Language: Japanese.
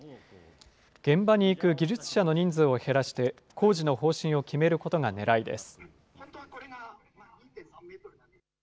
現場に行く技術者の人数を減らして、工事の方針を決めることがねらいです。